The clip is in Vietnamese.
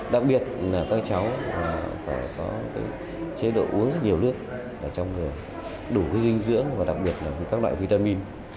đặc biệt là các cháu phải có chế độ uống rất nhiều lượt đủ dinh dưỡng và đặc biệt là các loại vitamin